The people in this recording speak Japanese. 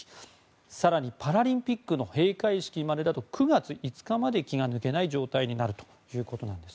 更にパラリンピックの閉会式までだと９月５日まで気が抜けない状況になるということです。